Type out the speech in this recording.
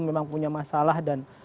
memang punya masalah dan